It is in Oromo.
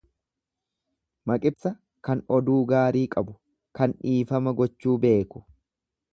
Maqibsa kan oduu gaarii qabu, kan dhiifama gochuu beeku.